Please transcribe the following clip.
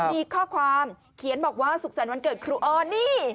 มีข้อความเขียนบอกว่าสุขสรรค์วันเกิดครูออนนี่